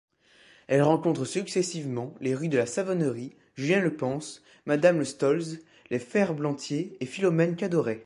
Elle rencontre successivement les rues de la Savonnerie, Julien-Le-Panse, Madame-de-Stolz, des Ferblantiers et Philomène-Cadoret.